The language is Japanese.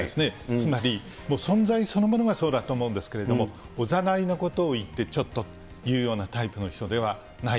つまり、存在そのものがそうだと思うんですけれども、おざなりのことを言ってちょっとというようなタイプの人ではない。